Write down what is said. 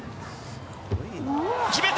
決めた！